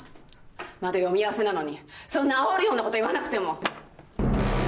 まだ読み合わせなのにそんなあおるようなこと言わなくても。